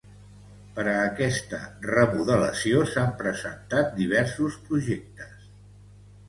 Per a aquesta remodelació s'han presentat diversos projectes.